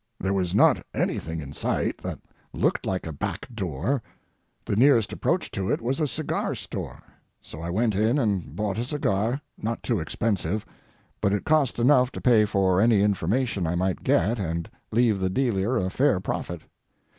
There was not anything in sight that looked like a back door. The nearest approach to it was a cigar store. So I went in and bought a cigar, not too expensive, but it cost enough to pay for any information I might get and leave the dealer a fair profit.